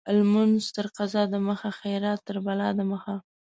لمونځ تر قضا د مخه ، خيرات تر بلا د مخه.